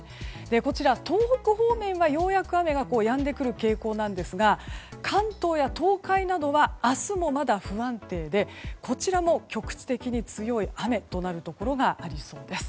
こちら東北方面はようやく雨がやんでくる傾向なんですが関東や東海などは明日も、まだ不安定でこちらも局地的に強い雨となるところがありそうです。